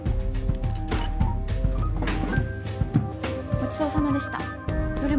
ごちそうさまでした。